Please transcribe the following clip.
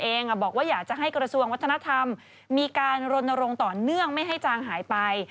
เอ็งอ่ะบอกว่าอยากจะให้กรสวงวัฒนธรรมมีการลนโรงต่อเนื่องไม่ให้จางหายไป